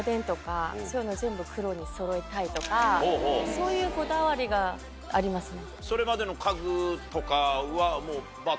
そういうこだわりがありますね。